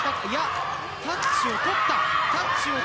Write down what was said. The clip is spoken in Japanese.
いや、タッチを取った。